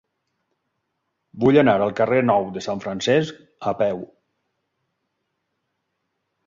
Vull anar al carrer Nou de Sant Francesc a peu.